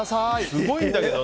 すごいんだけど。